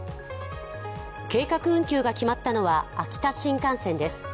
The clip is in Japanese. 計画運休が決まったのは秋田新幹線です。